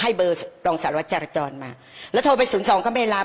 ให้เบอร์รองสารวัตรจรมาแล้วโทรไปศูนย์สองก็ไม่รับ